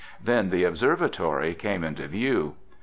Then the observatory came into view.